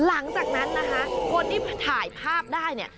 หลังจากนั้นนะคะคนที่ถ่ายภาพได้เนี่ย